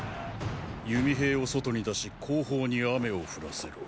弓兵を外に出し後方に雨を降らせろ。